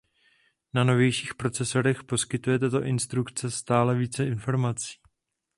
Na novějších procesorech poskytuje tato instrukce stále více informací.